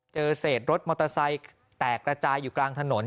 เจอเศษรถมอเตอร์ไซค์แตกระจายอยู่กลางถนน